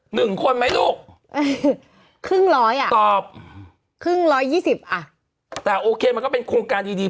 หนึ่งคนไหมลูกเออครึ่งร้อยอ่ะตอบครึ่งร้อยยี่สิบอ่ะแต่โอเคมันก็เป็นโครงการดีดี